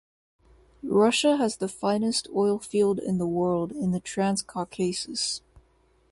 Russia has the finest oilfield in the world in the Transcaucasus.